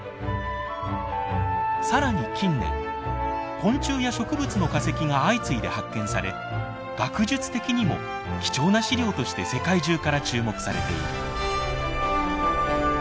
更に近年昆虫や植物の化石が相次いで発見され学術的にも貴重な資料として世界中から注目されている。